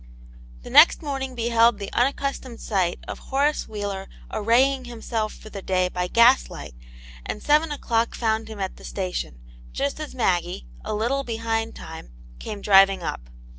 The next morning beheld the unaccustomed sight of Horace Wheeler arraying himself for the day by gaslight, and seven o'clock found him at the station, just as Maggie, a little behind time, came driving up.